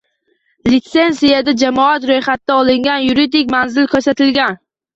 Litsenziyada jamiyat ro’yxatga olingan yuridik manzil ko’rsatilgan.